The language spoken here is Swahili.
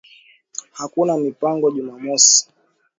hakuna mipango Jumamosi